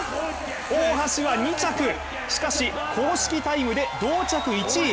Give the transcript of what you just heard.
大橋は２着、しかし公式タイムで同着１位。